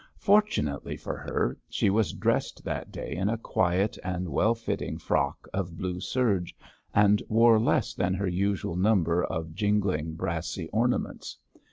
Fortunately for her she was dressed that day in a quiet and well fitting frock of blue serge, and wore less than her usual number of jingling brassy ornaments.